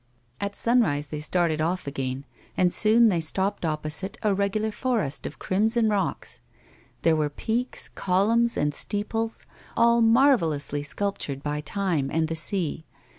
At sunrise they started off again, and soon they stopped opposite a regular forest of crimson rocks j there were peaks, columns, and steeples, all marvellously sculptured by time and the sea.